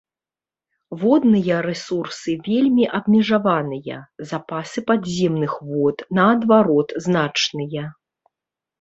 Водныя рэсурсы вельмі абмежаваныя, запасы падземных вод наадварот значныя.